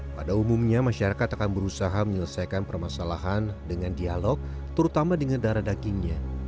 pada umumnya masyarakat akan berusaha menyelesaikan permasalahan dengan dialog terutama dengan darah dagingnya